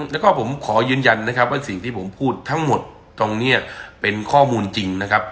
แล้วก็ผมขอยืนยันนะครับว่าสิ่งที่ผมพูดทั้งหมดตรงนี้เป็นข้อมูลจริงนะครับ